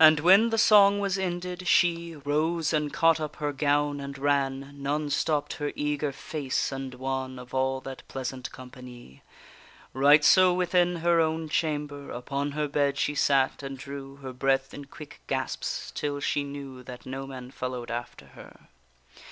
And when the song was ended, she Rose and caught up her gown and ran; None stopp'd her eager face and wan Of all that pleasant company. Right so within her own chamber Upon her bed she sat; and drew Her breath in quick gasps; till she knew That no man follow'd after her.